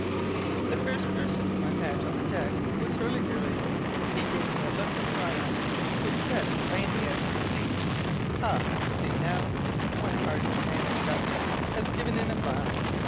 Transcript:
The first person whom I met on the deck was Hurliguerly; he gave me a look of triumph, which said as plainly as speech: "Ha! you see now. Our hard to manage captain has given in at last.